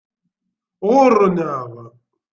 Ɣurren-aɣ.